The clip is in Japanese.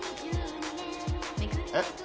えっ？